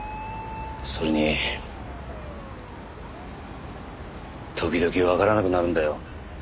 それに時々わからなくなるんだよ。